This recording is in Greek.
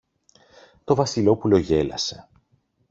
Το Βασιλόπουλο γέλασε.